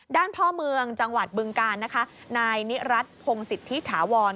พ่อเมืองจังหวัดบึงการนะคะนายนิรัติพงศิษฐิถาวร